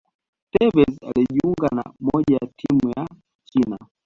tevez akajiunga na moja ya timu ya China